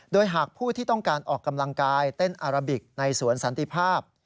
โดยหากผู้ที่ต้องการออกกำลังกายเต้นอาราบิกในสวนสันติภาพ